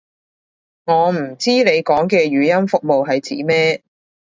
我唔知你講嘅語音服務係指咩